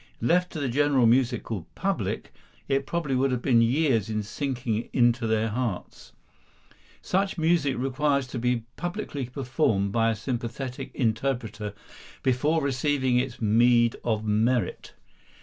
Left to the general musical public, it probably would have been years in sinking into their hearts. Such music requires to be publicly performed by a sympathetic interpreter before receiving its meed of merit.